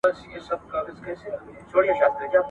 زما خور وویل چې سبا به ډوډۍ زه پخوم.